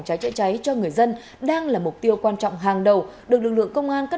trái chữa cháy cho người dân đang là mục tiêu quan trọng hàng đầu được lực lượng công an các